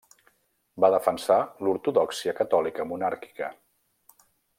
Va defensar l'ortodòxia catòlica monàrquica.